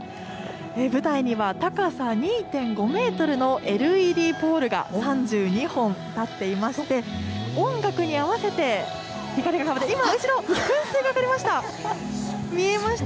舞台には高さ２．５メートルのＬＥＤポールが３２本立っていまして、音楽に合わせて、光が、今、後ろ、噴水が上がりました。